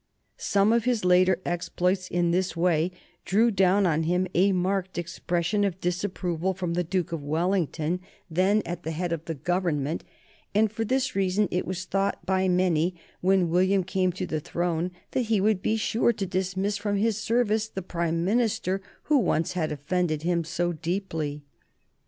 Some of his later exploits in this way drew down on him a marked expression of disapproval from the Duke of Wellington, then at the head of the Government, and for this reason it was thought by many, when William came to the throne, that he would be sure to dismiss from his service the Prime Minister who once had offended him so deeply.